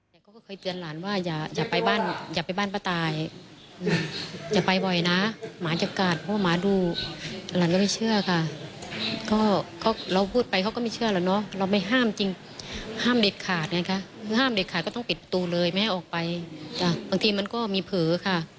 มิแลเขาถูกขิดยากบ้านก็ต้องเปิดยากอีก